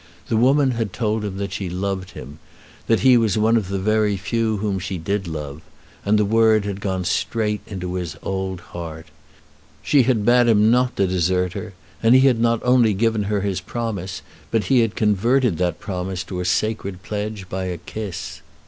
The woman had told him that she loved him, that he was one of the very few whom she did love, and the word had gone straight into his old heart. She had bade him not to desert her; and he had not only given her his promise, but he had converted that promise to a sacred pledge by a kiss.